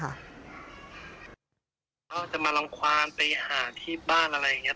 เขาจะมารังความไปหาที่บ้านอะไรอย่างนี้